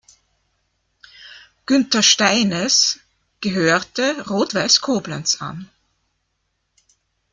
Günther Steines gehörte Rot-Weiß Koblenz an.